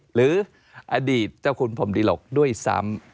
หรืออดีตเจ้าคุณพรมดิหลกด้วยซ้ำ